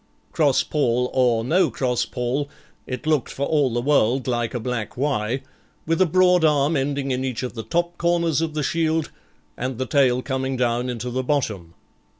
Cross pall_ or no cross pall, it looked for all the world like a black 'Y', with a broad arm ending in each of the top corners of the shield, and the tail coming down into the bottom.